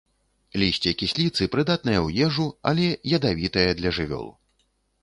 Лісце кісліцы прыдатнае ў ежу, але ядавітае для жывёл.